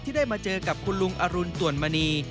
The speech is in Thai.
ได้มาเจอกับคุณลุงอรุณตวนมณี